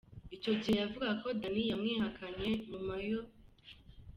Icyo gihe yavugaga ko Danny yamwihakanye nyuma yo.